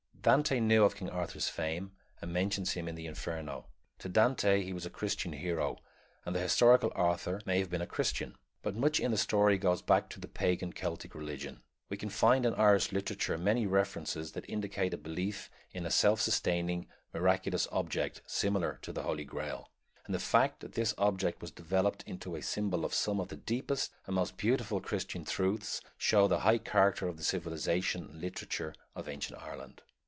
Dante knew of King Arthur's fame, and mentions him in the Inferno. To Dante he was a Christian hero, and the historical Arthur may have been a Christian; but much in the story goes back to the pagan Celtic religion. We can find in Irish literature many references that indicate a belief in a self sustaining, miraculous object similar to the Holy Grail, and the fact that this object was developed into a symbol of some of the deepest and most beautiful Christian truths shows the high character of the civilization and literature of ancient Ireland.